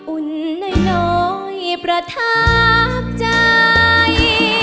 อุ่นน้อยประทับใจ